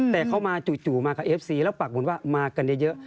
แต่เขามาจู่มากับเอฟซีแล้วปากบุญว่ามากันเยอะ